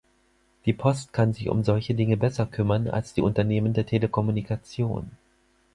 Die Post kann sich um solche Dinge besser kümmern als die Unternehmen der Telekommunikation.